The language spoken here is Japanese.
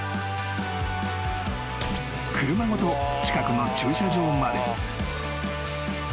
［車ごと近くの駐車場まで］